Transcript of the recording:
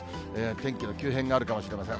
天気の急変があるかもしれません。